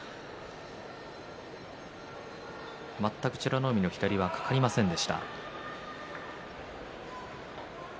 全く美ノ海の左はかかりませんでした。